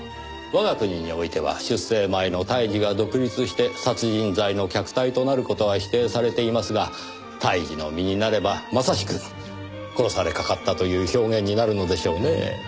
我が国においては出生前の胎児が独立して殺人罪の客体となる事は否定されていますが胎児の身になればまさしく殺されかかったという表現になるのでしょうねえ。